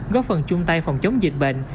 góp phần chung tay phòng chống dịch bệnh